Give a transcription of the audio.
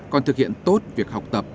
còn thực hiện tốt việc học tập